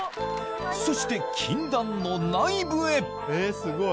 そして禁断の内部へえすごい。